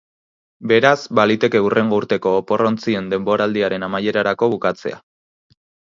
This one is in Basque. Beraz, baliteke hurrengo urteko opor-ontzien denboraldiaren amaierarako bukatzea.